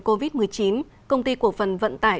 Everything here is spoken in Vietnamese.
covid một mươi chín công ty cổ phần vận tải